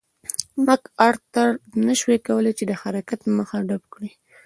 مک ارتر نه شوای کولای چې د حرکت مخه ډپ کړي.